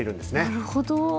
なるほど。